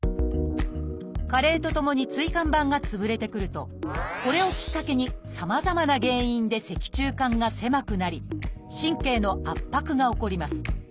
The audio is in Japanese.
加齢とともに椎間板が潰れてくるとこれをきっかけにさまざまな原因で脊柱管が狭くなり神経の圧迫が起こります。